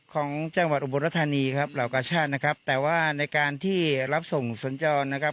ของจังหวัดอุบลรัฐธานีครับเหล่ากาชาตินะครับแต่ว่าในการที่รับส่งสัญจรนะครับ